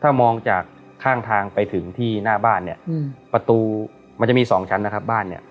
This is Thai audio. ถ้ามองจากข้างทางไปถึงที่หน้าบ้านเนี่ยประตูมันจะมีสองชั้นนะครับบ้านเนี่ย